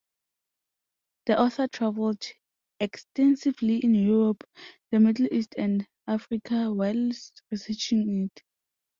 The author travelled extensively in Europe, the Middle East and Africa while researching it.